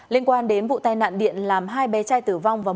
liên quan đến vụ tai nạn điện làm hai bé trai tử vong